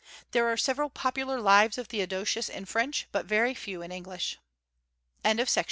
There are several popular Lives of Theodosius in French, but very few in English. LEO THE GREAT.